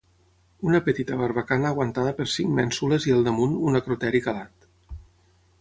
Una petita barbacana aguantada per cinc mènsules i al damunt un acroteri calat.